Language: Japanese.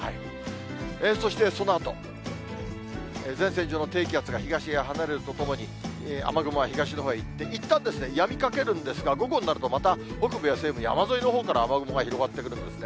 そしてそのあと、前線上の低気圧が東へ離れるとともに、雨雲は東のほうへ行って、いったんやみかけるんですが、午後になると、また北部や西部、山沿いのほうから雨雲が広がってくるんですね。